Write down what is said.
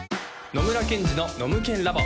野村ケンジのノムケンＬａｂ！